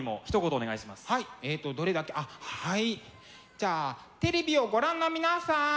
じゃあテレビをご覧の皆さん！